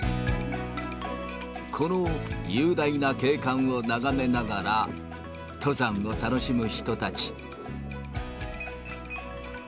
この雄大な景観を眺めながら、登山を楽しむ人たち。